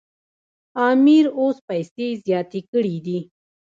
امیر اوس پیسې زیاتې کړي دي.